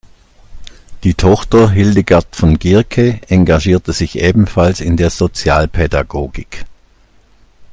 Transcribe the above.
Die Tochter Hildegard von Gierke engagierte sich ebenfalls in der Sozialpädagogik.